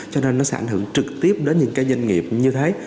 cho nên nó sẽ ảnh hưởng trực tiếp đến những cái doanh nghiệp như thế